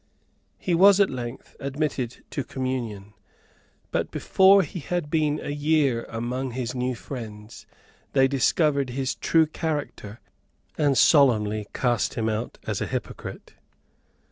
He was at length admitted to communion; but before he had been a year among his new friends they discovered his true character, and solemnly cast him out as a hypocrite.